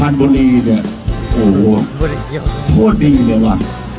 จริงเหรอวะ